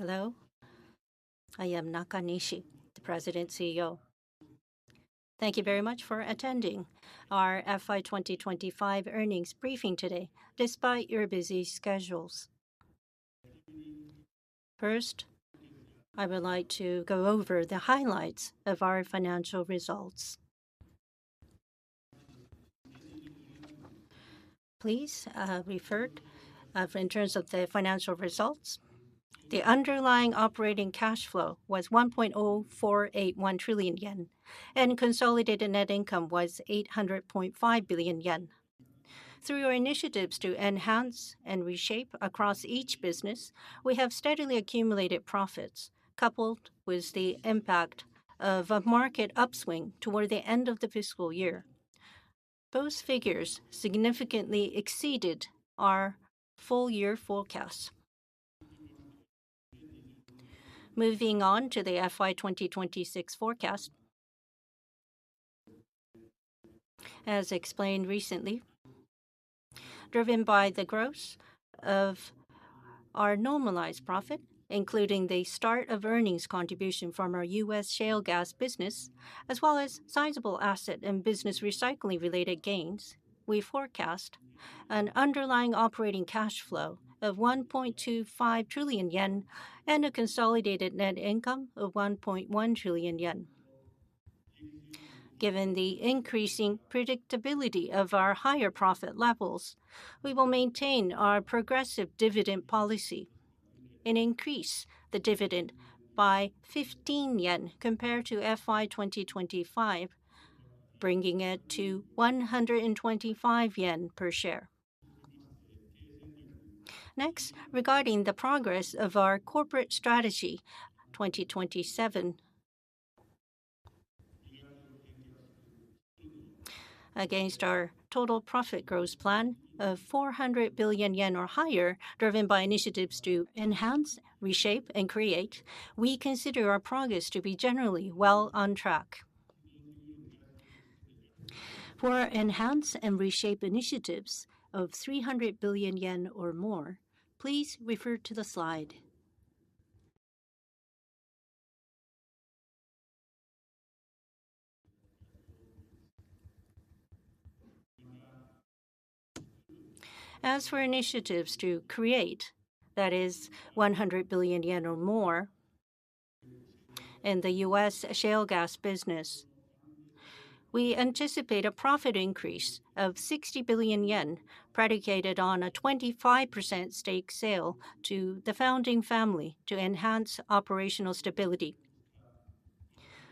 Hello. I am Nakanishi, the President, CEO. Thank you very much for attending our FY 2025 earnings briefing today despite your busy schedules. First, I would like to go over the highlights of our financial results. Please refer in terms of the financial results. The underlying operating cash flow was 1.0481 trillion yen, and consolidated net income was 800.5 billion yen. Through our initiatives to enhance and reshape across each business, we have steadily accumulated profits, coupled with the impact of a market upswing toward the end of the fiscal year. Those figures significantly exceeded our full-year forecasts. Moving on to the FY 2026 forecast. As explained recently, driven by the growth of our normalized profit, including the start of earnings contribution from our U.S. shale gas business, as well as sizable asset and business recycling-related gains, we forecast an underlying operating cash flow of 1.25 trillion yen and a consolidated net income of 1.1 trillion yen. Given the increasing predictability of our higher profit levels, we will maintain our progressive dividend policy and increase the dividend by 15 yen compared to FY 2025, bringing it to 125 yen per share. Regarding the progress of our Corporate Strategy 2027, against our total profit growth plan of 400 billion yen or higher, driven by initiatives to enhance, reshape, and create, we consider our progress to be generally well on track. For enhance and reshape initiatives of 300 billion yen or more, please refer to the slide. As for initiatives to create, that is 100 billion yen or more, in the U.S. shale gas business, we anticipate a profit increase of 60 billion yen predicated on a 25% stake sale to the founding family to enhance operational stability.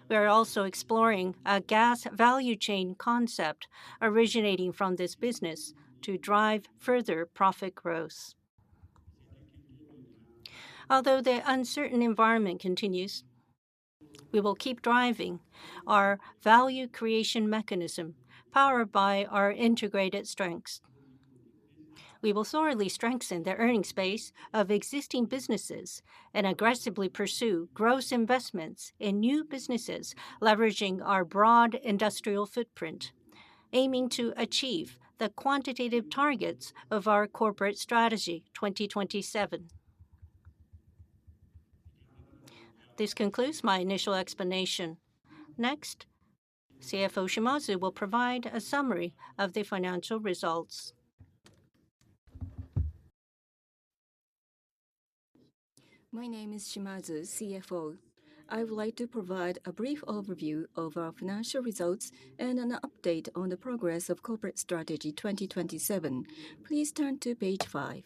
We are also exploring a gas value chain concept originating from this business to drive further profit growth. The uncertain environment continues, we will keep driving our value creation mechanism powered by our integrated strengths. We will thoroughly strengthen the earnings base of existing businesses and aggressively pursue growth investments in new businesses, leveraging our broad industrial footprint, aiming to achieve the quantitative targets of our Corporate Strategy 2027. This concludes my initial explanation. Next, CFO Shimazu will provide a summary of the financial results. My name is Shimazu, CFO. I would like to provide a brief overview of our financial results and an update on the progress of Corporate Strategy 2027. Please turn to page five.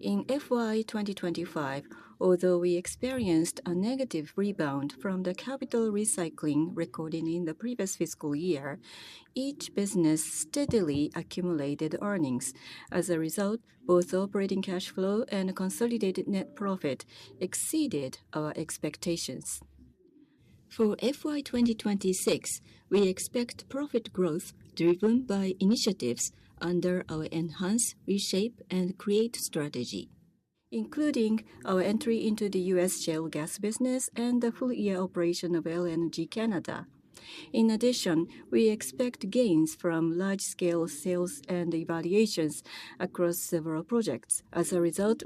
In FY 2025, although we experienced a negative rebound from the capital recycling recorded in the previous fiscal year, each business steadily accumulated earnings. As a result, both operating cash flow and consolidated net income exceeded our expectations. For FY 2026, we expect profit growth driven by initiatives under our enhance, reshape, and create strategy, including our entry into the U.S. shale gas business and the full year operation of LNG Canada. In addition, we expect gains from large-scale sales and evaluations across several projects. As a result,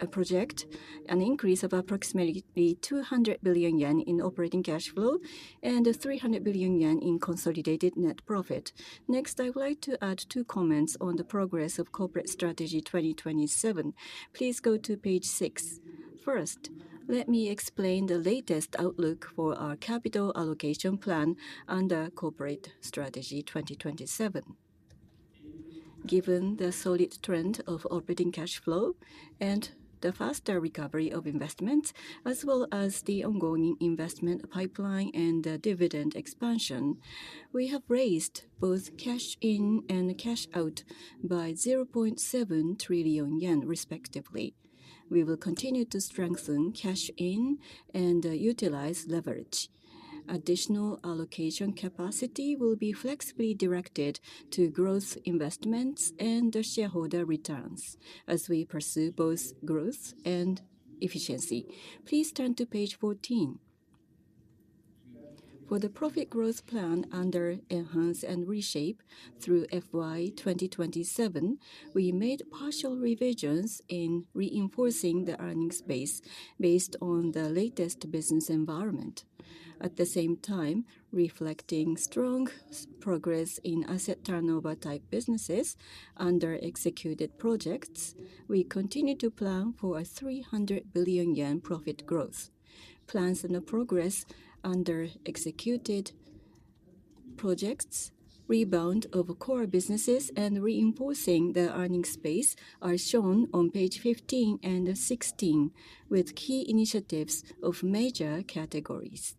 we project an increase of approximately 200 billion yen in operating cash flow and 300 billion yen in consolidated net income. Next, I would like to add two comments on the progress of Corporate Strategy 2027. Please go to page six. First, let me explain the latest outlook for our capital allocation plan under Corporate Strategy 2027. Given the solid trend of operating cashflow and the faster recovery of investments, as well as the ongoing investment pipeline and the dividend expansion, we have raised both cash in and cash out by 0.7 trillion yen, respectively. We will continue to strengthen cash in and utilize leverage. Additional allocation capacity will be flexibly directed to growth investments, and the shareholder returns as we pursue both growth and efficiency. Please turn to page 14. For the profit growth plan under enhance and reshape through FY 2027, we made partial revisions in reinforcing the earnings base based on the latest business environment. At the same time, reflecting strong progress in asset turnover-type businesses under executed projects, we continue to plan for a 300 billion yen profit growth. Plans and progress under executed projects, rebound of core businesses, and reinforcing the earnings base are shown on page 15 and 16 with key initiatives of major categories.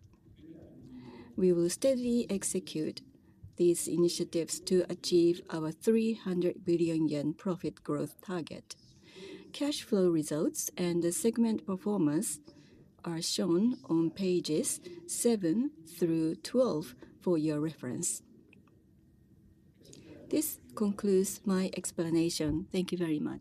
We will steadily execute these initiatives to achieve our 300 billion yen profit growth target. Cash flow results and the segment performance are shown on pages seven through 12 for your reference. This concludes my explanation. Thank you very much.